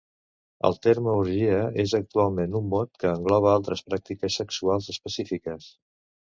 El terme orgia és actualment un mot que engloba altres pràctiques sexuals específiques.